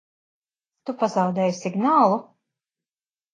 Tu pazaudēji signālu?